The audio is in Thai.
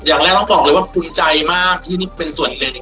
อย่างแรกต้องบอกเลยว่าภูมิใจมากที่นี่เป็นส่วนหนึ่ง